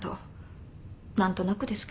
何となくですけど。